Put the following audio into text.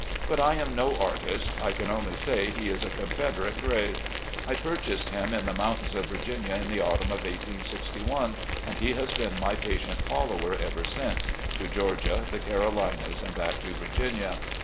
But I am no artist ; I can only say he is a Confederate gray. I purchased him in the mountains of Virginia in the autumn of 1861, and he has been my patient follower ever since — ^to Georgia, the Carolinas, and back to Virginia.